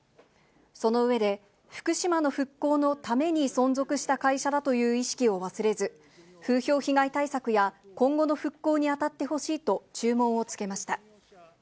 その上で、福島の復興のために存続した会社だという意識を忘れず、風評被害対策や、今後の復興に当たってほしいと、注文をつけました。